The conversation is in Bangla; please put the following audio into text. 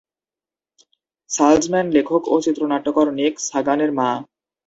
সালজম্যান লেখক ও চিত্রনাট্যকার নিক সাগানের মা।